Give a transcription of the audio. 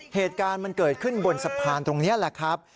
เหตุการณ์มันเกิดขึ้นบนสะพานตรงนี้แหละครับ